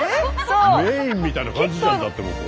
メインみたいな感じじゃんだってここ。